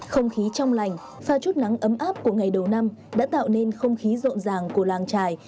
không khí trong lành pha chút nắng ấm áp của ngày đầu năm đã tạo nên không khí rộn ràng của làng trài